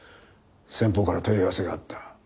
先方から問い合わせがあった。